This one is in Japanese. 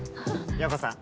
洋子さん